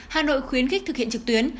hà nội khuyến khích thực hiện trực tuyến